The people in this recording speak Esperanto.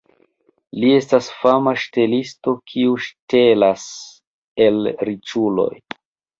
Li estas fama ŝtelisto, kiu ŝtelas el riĉuloj.